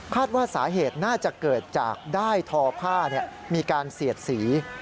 ว่าสาเหตุน่าจะเกิดจากด้ายทอผ้ามีการเสียดสี